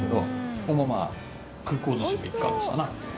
ここもまあ空港寿司の一環ですわな。